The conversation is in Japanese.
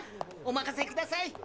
お任せください！